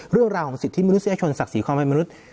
เรื่องราวของสิทธิมนุษยชนศักดิ์ศรีความเป็นมนุษย์